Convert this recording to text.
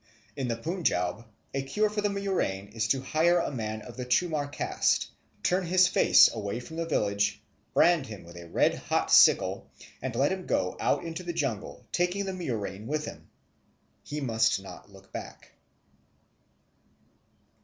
In the Punjaub a cure for the murrain is to hire a man of the Chamar caste, turn his face away from the village, brand him with a red hot sickle, and let him go out into the jungle taking the murrain with him. He must not look back.